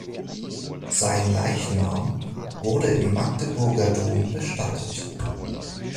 Sein Leichnam wurde im Magdeburger Dom bestattet.